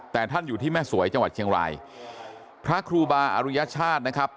แต่ท่านอยู่ที่แม่สวยจังหวัดเชียงรายพระครูบาอรุยชาตินะครับ